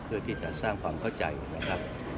เพื่อที่จะสร้างความเข้าใจนะครับ